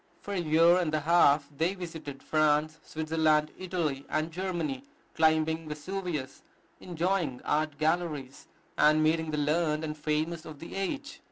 For a year and a half they visited France, Switzerland, Italy, and Germany, climbing Vesuvius, enjoying art galleries, and meeting the learned and famous of the age.